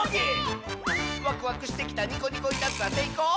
「ワクワクしてきたニコニコいたずら」「せいこう？